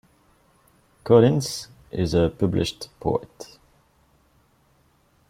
Collins is a published poet.